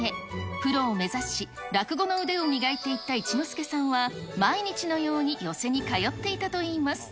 プロを目指し、落語の腕を磨いていった一之輔さんは、毎日のように寄席に通っていたといいます。